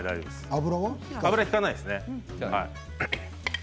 油引かないですね。